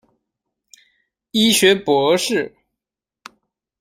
医学博士。